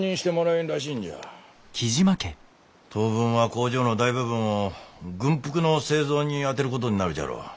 当分は工場の大部分を軍服の製造にあてることになるじゃろう。